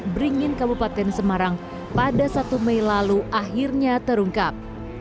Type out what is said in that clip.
beringin kabupaten semarang pada satu mei lalu akhirnya terungkap